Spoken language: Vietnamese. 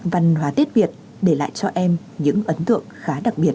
văn hóa tết việt để lại cho em những ấn tượng khá đặc biệt